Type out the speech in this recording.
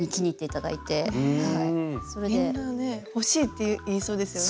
みんなね「欲しい」って言いそうですよね。